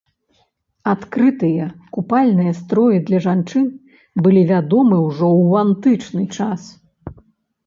Адкрытыя купальныя строі для жанчын былі вядомы ўжо ў антычны час.